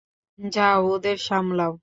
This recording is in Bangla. যাও ওদের সামলাও।